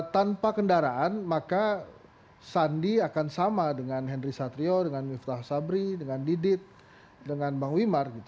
tanpa kendaraan maka sandi akan sama dengan henry satrio dengan miftah sabri dengan didit dengan bang wimar